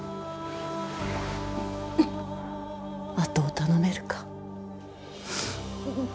跡を頼めるか？